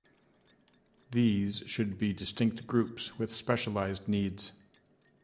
These should be distinct groups with specialised needs.